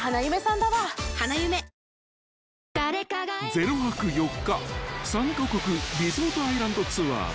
［０泊４日３カ国リゾートアイランドツアー］